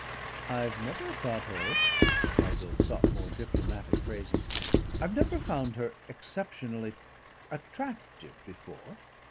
"I've never thought her " Melville sought more diplomatic phrasing. "I've never found her exceptionally attractive before.